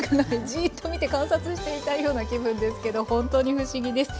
ジーッと見て観察してみたいような気分ですけどほんとに不思議です。